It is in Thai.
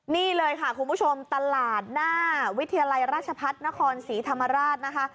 นี่เลยค่ะคุณผู้ชมตลาดหน้าวิทยาลัยราชพัฒนครศรีธรรมราชนะคะ